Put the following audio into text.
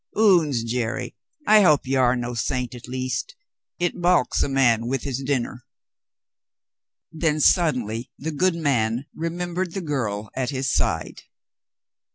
Oons, Jerry, I hope you are no saint, at least. It balks a man with his dinner." Then sud denly the good man remembered the girl at his side.